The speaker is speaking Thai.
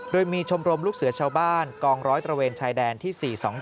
โดยมีชมรมลูกเสือชาวบ้านกองร้อยตระเวนชายแดนที่๔๒๗